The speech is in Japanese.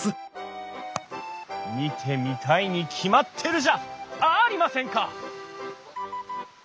見てみたいに決まってるじゃありませんか！